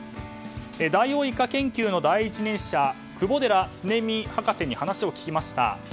ダイオウイカ研究の第一人者窪寺恒己博士に話を聞きました。